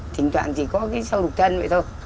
thỉnh thoảng chỉ có cái sâu đục chân vậy thôi